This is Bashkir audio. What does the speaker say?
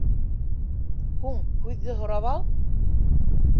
— Һуң, һүҙҙе һорап ал!